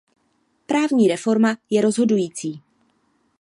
Právní reforma je rozhodující.